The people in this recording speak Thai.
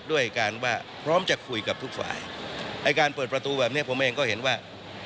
ด้วยการว่าพร้อมจะคุยกับทุกฝ่ายไอ้การเปิดประตูแบบนี้ผมเองก็เห็นว่า